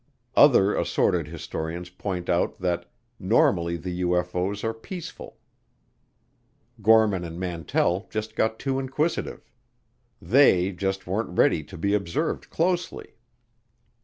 Other assorted historians point out that normally the UFO's are peaceful, Gorman and Mantell just got too inquisitive, "they" just weren't ready to be observed closely.